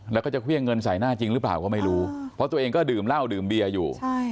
แล้วก็จะเครื่องเงินใส่หน้าจริงหรือเปล่าก็ไม่รู้เพราะตัวเองก็ดื่มเหล้าดื่มเบียร์อยู่